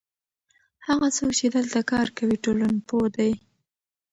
هغه څوک چې دلته کار کوي ټولنپوه دی.